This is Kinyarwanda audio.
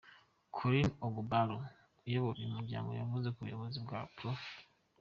Collins Ogbolu uyobora uyu muryango yavuze ko ubuyobozi bwa Prof.